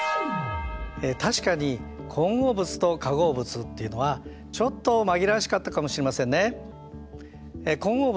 確かに混合物と化合物っていうのはちょっと紛らわしかったかもしれませんね。